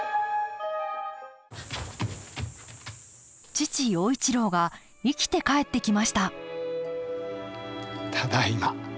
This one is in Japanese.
父陽一郎が生きて帰ってきましたただいま。